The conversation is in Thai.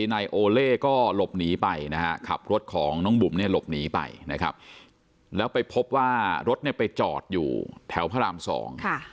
นายโอเล่ก็หลบหนีไปนะฮะขับรถของน้องบุ๋มเนี่ยหลบหนีไปนะครับแล้วไปพบว่ารถเนี่ยไปจอดอยู่แถวพระรามสองค่ะ